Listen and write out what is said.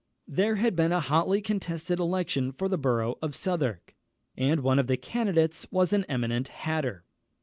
There had been a hotly contested election for the borough of Southwark, and one of the candidates was an eminent hatter.